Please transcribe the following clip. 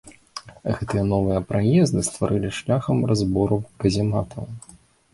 Гэтыя новыя праезды стварылі шляхам разбору казематаў.